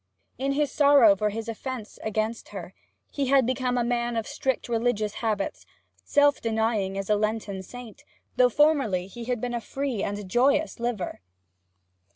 In his sorrow for his offence against her, he had become a man of strict religious habits, self denying as a lenten saint, though formerly he had been a free and joyous liver.